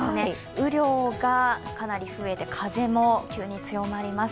雨量がかなり増えて、風も急に強まります。